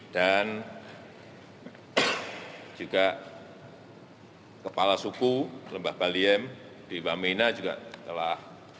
dan juga kepala suku lembah baliem di wamena juga telah mengajak